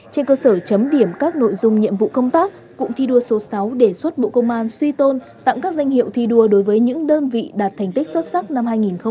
trên cơ sở chấm điểm các nội dung nhiệm vụ công tác cụm thi đua số sáu đề xuất bộ công an suy tôn tặng các danh hiệu thi đua đối với những đơn vị đạt thành tích xuất sắc năm hai nghìn hai mươi ba